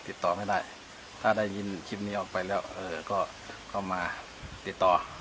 ติดต่อไม่ได้ถ้าได้ยินคลิปนี้ออกไปแล้วก็เข้ามาติดต่อ